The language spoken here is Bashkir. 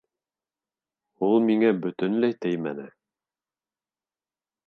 — Ул миңә бөтөнләй теймәне.